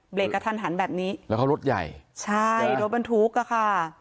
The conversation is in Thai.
กระทันหันแบบนี้แล้วเขารถใหญ่ใช่รถบรรทุกอ่ะค่ะ